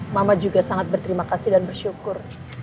mama juga sangat berterima kasih dan bersyukur